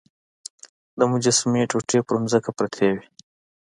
د مجسمې ټوټې په ځمکه پرتې وې.